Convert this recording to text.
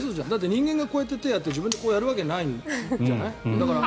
人間がこうやって手をやってやるわけないじゃない。